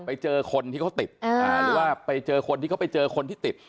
ไปเจอคนที่เขาติดหรือว่าไปเจอคนที่เขาไปเจอคนที่ติด